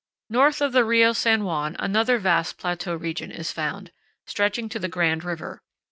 North of the Rio San Juan another vast plateau region is found, stretching to the Grand River.